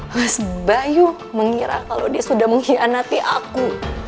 mas bayu mengira kalau dia sudah mengkhianati aku